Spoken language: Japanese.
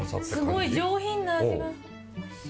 すごい上品な味が。